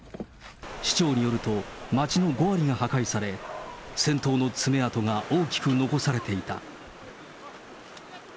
市長によると、町の５割が破壊され、戦闘の爪痕が大きく残されていた。